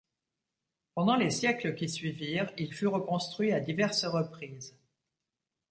Pendant les siècles qui suivirent, il fut reconstruit à diverses reprises.